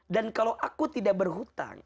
dan kalau aku tidak berhutang